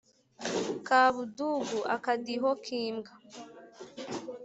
Kabudugu.-Akadiho k'imbwa.